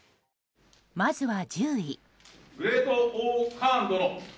まずは１０位。